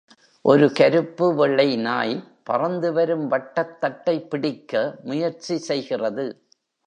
ஒரு கருப்பு வெள்ளை நாய் பறந்துவரும் வட்டத்தட்டை பிடிக்க முயற்சிசெய்கிறது.